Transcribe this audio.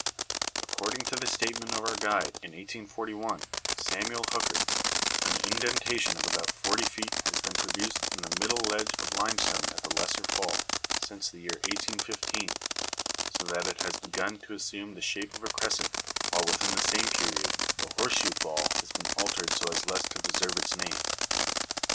According to the statement of our guide in 1841, Samuel Hooker, an indentation of about forty feet has been produced in the middle ledge of limestone at the lesser fall, since the year 1815, so that it has begun to assume the shape of a crescent, while within the same period the Horse shoe Fall has been altered so as less to deserve its name.